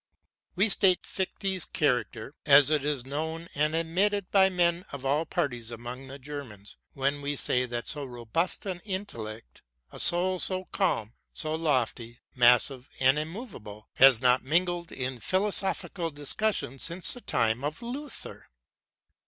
We state Fichte's character, as it is known and admitted by men of all parties among the Germans, when we say that so robust an intellect; a soul so calm, so lofty, massive, and immovable, has not mingled in philosophical discussion since the time of Luther.